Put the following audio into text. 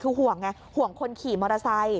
คือห่วงไงห่วงคนขี่มอเตอร์ไซค์